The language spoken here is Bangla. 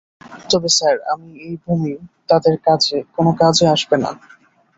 তবে স্যার, এই বোমি তাদের কোনো কাজে আসবে না।